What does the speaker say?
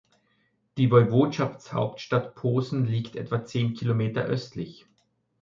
Die Woiwodschaftshauptstadt Posen liegt etwa zehn Kilometer östlich.